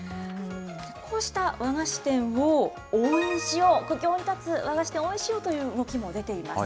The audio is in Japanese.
こうした和菓子店を応援しようと、苦境に立つ和菓子店を応援しようという動きも出ています。